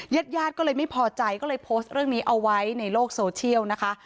ญาติญาติก็เลยไม่พอใจก็เลยโพสต์เรื่องนี้เอาไว้ในโลกโซเชียลนะคะ